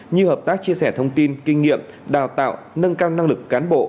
như hợp tác chia sẻ thông tin kinh nghiệm đào tạo nâng cao năng lực cán bộ